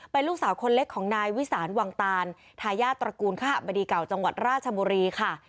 เป็นลูกสาวคนเล็กของนายวิสานวังตานทายาทตระกูลขบดีเก่าจังหวัดราชบุรีค่ะ